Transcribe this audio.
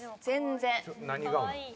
全然。